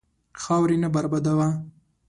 خاورې نه بربادوه.